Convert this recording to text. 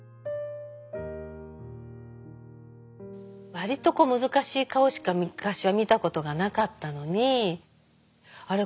割と難しい顔しか昔は見たことがなかったのに「あれ？